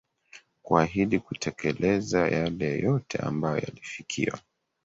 kuahidi kutekeleza yale yote ambayo yalifikiwa